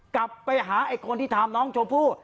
กลับไปหาคนที่ทำน้องส่วนผู้